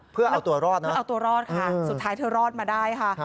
เพื่อเอาตัวรอดนะสุดท้ายเธอรอดมาได้ค่ะ